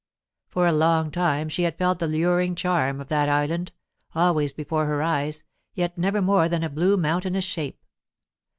For a long time she had felt the luring charm of that island, always before her eyes, yet never more than a blue mountainous shape.